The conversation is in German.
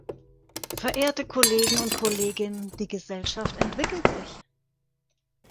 Verehrte Kollegen und Kolleginnen, die Gesellschaft entwickelt sich.